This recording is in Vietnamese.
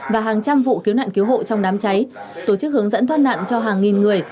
và hàng trăm vụ cứu nạn cứu hộ trong đám cháy tổ chức hướng dẫn thoát nạn cho hàng nghìn người